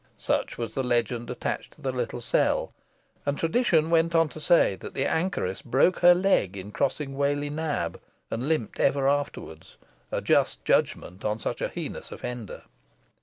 Such was the legend attached to the little cell, and tradition went on to say that the anchoress broke her leg in crossing Whalley Nab, and limped ever afterwards; a just judgment on such a heinous offender.